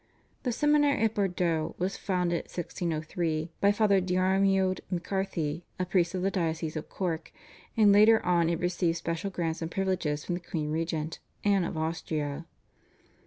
The seminary at Bordeaux was founded (1603) by Father Diarmuid MacCarthy, a priest of the diocese of Cork, and later on it received special grants and privileges from the queen regent, Anne of Austria.